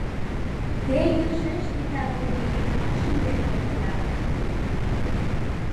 — Те йӧршеш титакдыме еҥымат шынден кертыда!